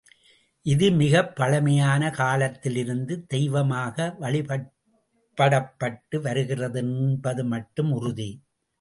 இதுமிகப் பழமையான காலத்திலிருந்து தெய்வமாக வழிபடப்பட்டு வருகிறது என்பது மட்டும் உறுதி.